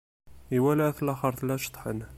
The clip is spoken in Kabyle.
Iwala at laxeṛt la ceṭṭḥen.